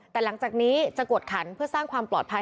แต่หลังจากนี้จะกวดขันเพื่อสร้างความปลอดภัย